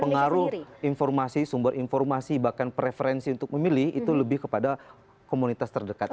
pengaruh informasi sumber informasi bahkan preferensi untuk memilih itu lebih kepada komunitas terdekatnya